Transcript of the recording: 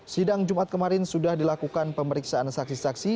sidang jumat kemarin sudah dilakukan pemeriksaan saksi saksi